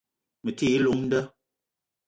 Me ti i llong nda